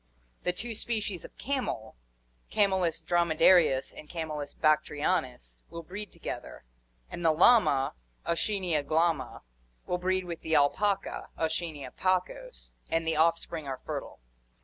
The two species of camel, Camelus dromedarius and C. bactrianus, will breed together; and the llama, Auchenia glama, will breed with the alpaca, A. pacos, and the offspring are fertile.